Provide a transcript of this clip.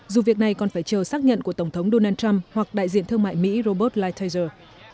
dù việc này còn phải chờ xác nhận của tổng thống donald trump hoặc đại diện thương mại mỹ robert lighthizer